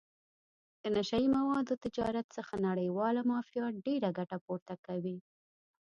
د نشه یي موادو د تجارت څخه نړیواله مافیا ډېره ګټه پورته کوي.